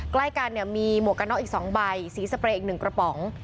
ใกล้กันเนี่ยมีหมวกกันน็อกอีก๒ใบสีสเปรย์อีก๑กระป๋อง